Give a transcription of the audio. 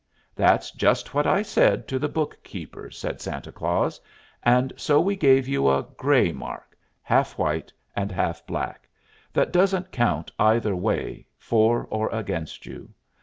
"That's just what I said to the bookkeeper," said Santa Claus, "and so we gave you a gray mark half white and half black that doesn't count either way, for or against you."